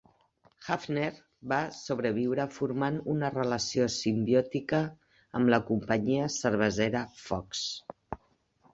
Hafner va sobreviure formant una relació simbiòtica amb la Companyia Cervesera Fox.